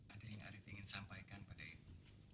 ada yang arief ingin sampaikan pada ibu